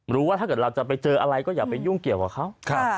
ว่าถ้าเกิดเราจะไปเจออะไรก็อย่าไปยุ่งเกี่ยวกับเขา